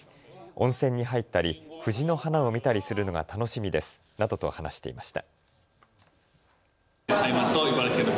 温泉に入ったり藤の花を見たりするのが楽しみですなどと話していました。